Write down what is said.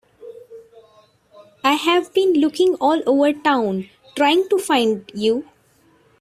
I've been looking all over town trying to find you.